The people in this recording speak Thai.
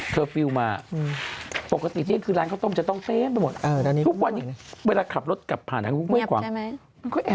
สังเกตว่าตั้งแต่แบบว่าปลดเคอร์ฟิวมา